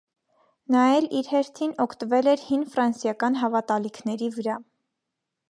Նա էլ, իր հերթին, օգտվել էր հին ֆրանսիական հավատալիքների վրա։